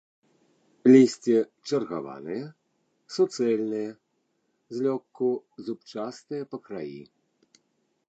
Лісце чаргаванае, суцэльнае, злёгку зубчастае па краі.